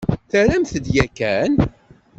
Terramt-d yakan?